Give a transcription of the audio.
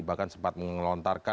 bahkan sempat mengelontarkan